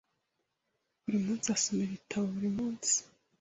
Buri munsi asoma ibitabo buri munsi.